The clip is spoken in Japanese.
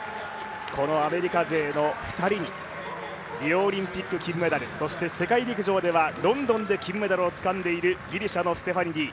アメリカ勢の２人にリオオリンピック金メダルそして世界陸上では、ロンドンで金メダルをつかんでいるギリシャのステファニディ